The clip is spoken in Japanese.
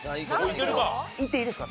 いっていいですか？